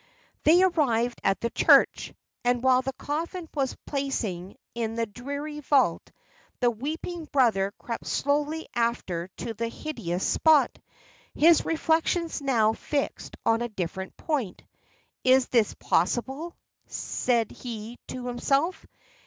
They arrived at the church; and, while the coffin was placing in the dreary vault, the weeping brother crept slowly after to the hideous spot. His reflections now fixed on a different point. "Is this possible?" said he to himself.